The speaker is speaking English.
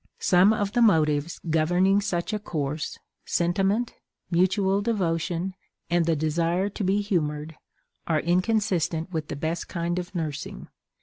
Some of the motives governing such a course sentiment, mutual devotion, and the desire to be humored are inconsistent with the best kind of nursing.